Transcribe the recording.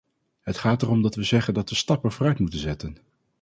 Het gaat erom dat we zeggen dat we stappen vooruit moeten zetten.